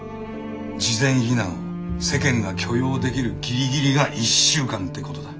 事前避難を世間が許容できるギリギリが１週間ってことだ。